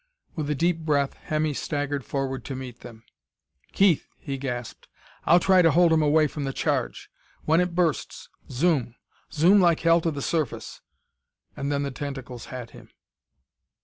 With a deep breath, Hemmy staggered forward to meet them. "Keith!" he gasped. "I'll try to hold 'em away from the charge! When it bursts, zoom! Zoom like hell to the surface!" And then the tentacles had him.